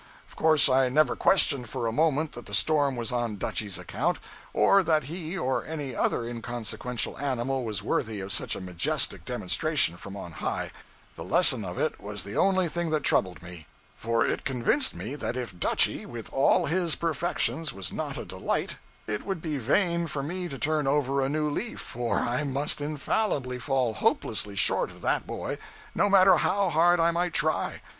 Of course I never questioned for a moment that the storm was on Dutchy's account, or that he or any other inconsequential animal was worthy of such a majestic demonstration from on high; the lesson of it was the only thing that troubled me; for it convinced me that if Dutchy, with all his perfections, was not a delight, it would be vain for me to turn over a new leaf, for I must infallibly fall hopelessly short of that boy, no matter how hard I might try.